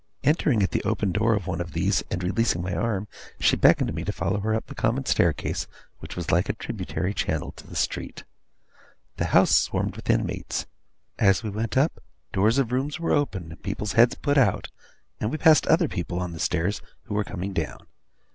Entering at the open door of one of these, and releasing my arm, she beckoned me to follow her up the common staircase, which was like a tributary channel to the street. The house swarmed with inmates. As we went up, doors of rooms were opened and people's heads put out; and we passed other people on the stairs, who were coming down.